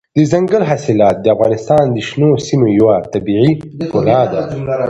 دځنګل حاصلات د افغانستان د شنو سیمو یوه طبیعي ښکلا ده.